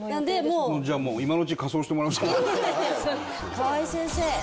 河合先生。